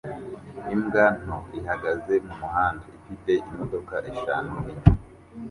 Imbwa nto ihagaze mumuhanda ifite imodoka eshanu inyuma